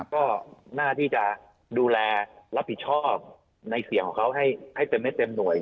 ก็น่าที่จะดูแลรับผิดชอบในเสียงของเขาให้เต็มไม่เต็มหน่วย